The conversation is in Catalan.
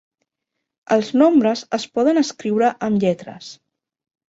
Els nombres es poden escriure amb lletres.